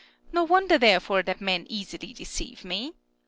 No wonder therefore that men easily deceive me.